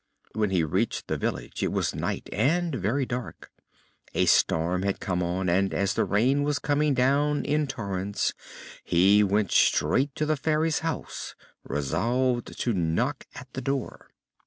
When he reached the village it was night and very dark. A storm had come on and as the rain was coming down in torrents he went straight to the Fairy's house, resolved to knock at the door.